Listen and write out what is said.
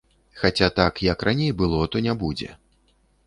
Хаця так, як раней было, то не будзе.